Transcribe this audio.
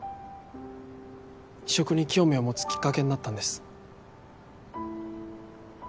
食に興味を持つきっかけになったんです。